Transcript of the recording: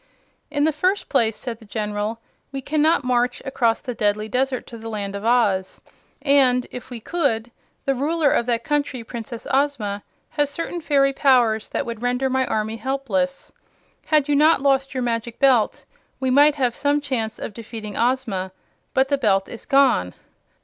"In the first place," said the General, "we cannot march across the deadly desert to the Land of Oz. And if we could, the Ruler of that country, Princess Ozma, has certain fairy powers that would render my army helpless. Had you not lost your Magic Belt we might have some chance of defeating Ozma; but the Belt is gone."